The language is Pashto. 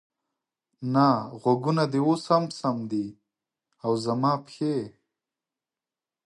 نه، غوږونه دې اوس هم سم دي، او زما پښې؟